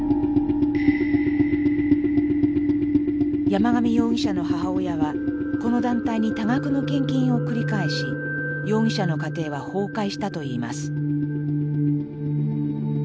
山上容疑者の母親はこの団体に多額の献金を繰り返し容疑者の家庭は崩壊したといいます。